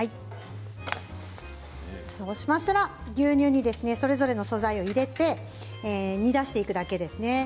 そうしましたら牛乳にそれぞれの素材を入れて煮出していくだけですね。